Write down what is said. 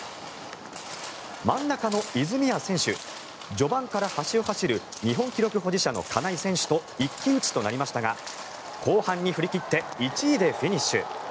真ん中の泉谷選手序盤から端を走る日本記録保持者の金井選手と一騎打ちとなりましたが後半に振り切って１位でフィニッシュ。